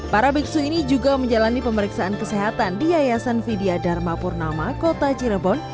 para biksu ini juga menjalani pemeriksaan kesehatan di yayasan vidya dharma purnama kota cirebon